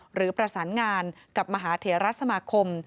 หรือประสานงานกับมหาเถระสมาคม